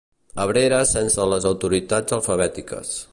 Abrera sense les autoritats alfabètiques.